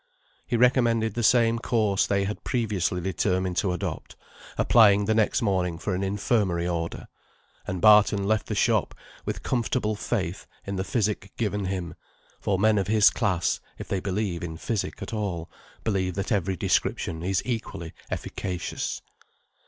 He recommended the same course they had previously determined to adopt, applying the next morning for an infirmary order; and Barton left the shop with comfortable faith in the physic given him; for men of his class, if they believe in physic at all, believe that every description is equally efficacious.